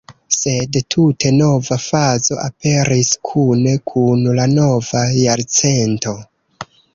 Sed tute nova fazo aperis kune kun la nova jarcento.